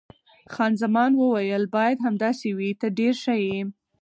خان زمان وویل: باید همداسې وي، ته ډېر ښه یې.